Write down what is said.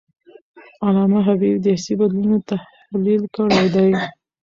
علامه حبیبي د سیاسي بدلونونو تحلیل کړی دی.